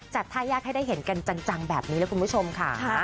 ท่ายากให้ได้เห็นกันจังแบบนี้นะคุณผู้ชมค่ะ